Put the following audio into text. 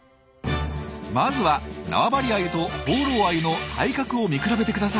まずは縄張りアユと放浪アユの体格を見比べてください。